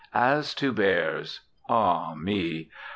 "As to Bears." All, me!